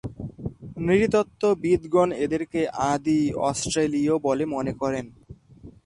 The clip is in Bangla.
নৃতত্ত্ববিদগণ এদেরকে আদি অস্ট্রেলীয় বলে মনে করেন।